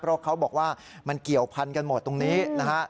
เพราะเขาบอกว่ามันเกี่ยวพันกันหมดตรงนี้นะฮะ